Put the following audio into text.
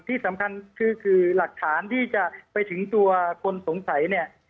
ที่สำคัญคือหลักฐานที่จะไปถึงตัวคนสงสัยเนี่ย